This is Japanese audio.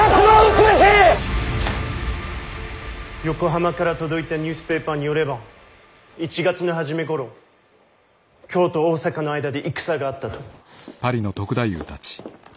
横浜から届いたニュースペーパーによれば１月の初めごろ京と大坂の間で戦があったと。